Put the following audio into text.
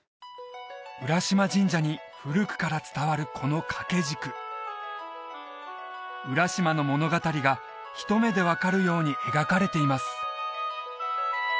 浦嶋神社に古くから伝わるこの掛け軸浦島の物語が一目で分かるように描かれています